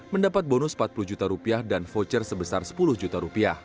mendapat bonus rp empat puluh juta dan voucher sebesar rp sepuluh juta